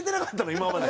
今まで。